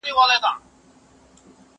زه کولای سم شګه پاک کړم؟!